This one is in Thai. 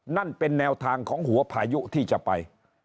นั่นเป็นแนวทางของหัวพายุที่จะไป